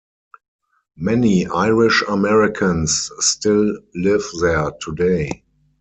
Many Irish-Americans still live there today.